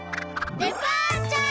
デパーチャー！